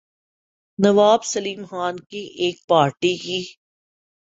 نواب سیلم خان کی ایک پارٹی کی